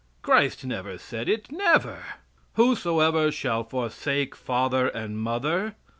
Christ never said it. Never. "Whosoever shall forsake father and mother."